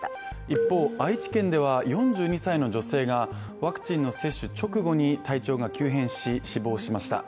一方、愛知県では４２歳の女性がワクチンの接種直後に体調が急変し、死亡しました。